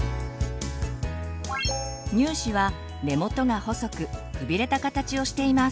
乳歯は根元が細くくびれた形をしています。